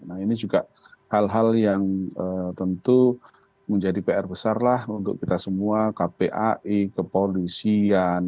nah ini juga hal hal yang tentu menjadi pr besar lah untuk kita semua kpai kepolisian